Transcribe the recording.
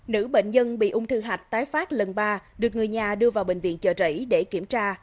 nữ bệnh nhân bị ung thư hạch tái phát lần ba được người nhà đưa vào bệnh viện chợ rẫy để kiểm tra